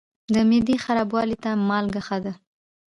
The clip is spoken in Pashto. د معدې خرابوالي ته مالګه ښه ده.